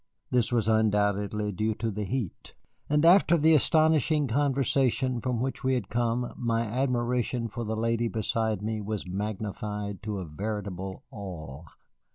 This was undoubtedly due to the heat. And after the astonishing conversation from which we had come, my admiration for the lady beside me was magnified to a veritable awe.